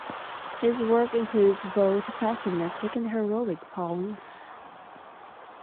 His work includes both pessimistic and heroic poems.